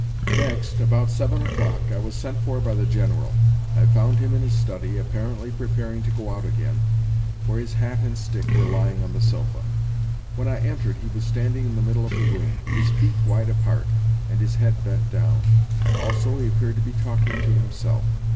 Next, about seven o'clock, I was sent for by the General. I found him in his study, apparently preparing to go out again, for his hat and stick were lying on the sofa. When I entered he was standing in the middle of the room—his feet wide apart, and his head bent down. Also, he appeared to be talking to himself.